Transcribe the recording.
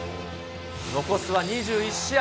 残すは２１試合。